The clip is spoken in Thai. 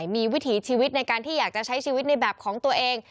มีวิถีชีวิตในการที่อยากจะใช้ชีวิตในแบบของตัวเอง